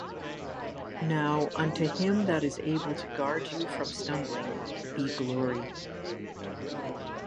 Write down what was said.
Now unto him that is able to guard you from stumbling, be glory.